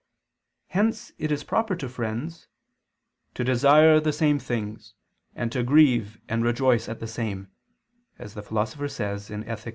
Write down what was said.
Hence it is proper to friends "to desire the same things, and to grieve and rejoice at the same," as the Philosopher says (Ethic.